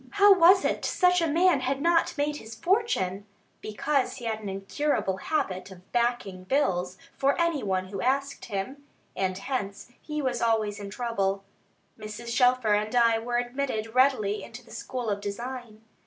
How was it such a man had not made his fortune? Because he had an incurable habit of "backing bills" for any one who asked him; and hence he was always in trouble. Mrs. Shelfer and I were admitted readily into the school of design.